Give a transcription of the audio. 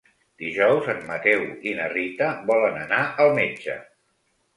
Dijous en Mateu i na Rita volen anar al metge.